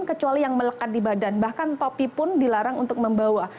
kecuali yang melekat di badan bahkan topi pun dilarang untuk membawa